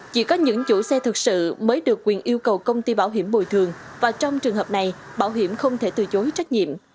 chỉ có những chủ xe thực sự mới được quyền yêu cầu công ty bảo hiểm bồi thường và trong trường hợp này bảo hiểm không thể từ chối trách nhiệm